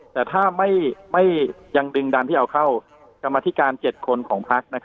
แต่ถ้ายังดึงดันให้เอาเข้ากรรมธิการ๗คนของพัก